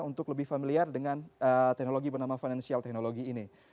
untuk lebih familiar dengan teknologi bernama financial technology ini